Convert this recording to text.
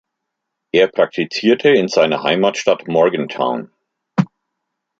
Er praktizierte in seiner Heimatstadt Morgantown.